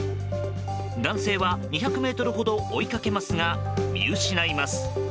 男性は２００ｍほど追いかけますが、見失います。